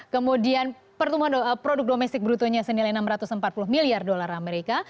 kemudian pertumbuhan produk domestik brutonya senilai enam ratus empat puluh miliar dolar amerika